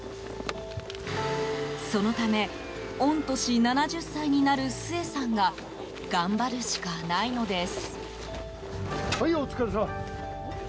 そのため、御年７０歳になるスエさんが頑張るしかないのです。